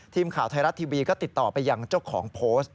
ทีมข่าวไทยรัฐทีวีก็ติดต่อไปยังเจ้าของโพสต์